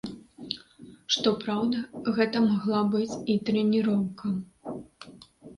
Што праўда, гэта магла быць і трэніроўка.